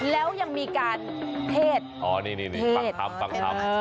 แล้วยังมีการเทศอ๋อนี่นี่ฟังทำฟังทำ